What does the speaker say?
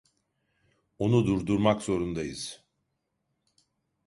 Onu durdurmak zorundayız.